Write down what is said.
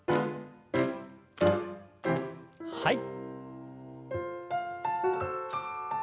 はい。